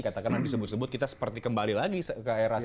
katakanlah disebut sebut kita seperti kembali lagi ke era seperti